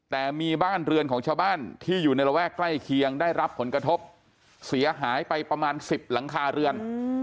แต่มีบ้านเรือนของชาวบ้านที่อยู่ในระแวกใกล้เคียงได้รับผลกระทบเสียหายไปประมาณ๑๐หลังคาเรือน